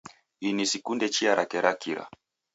Ini sikunde chia rake ra kira.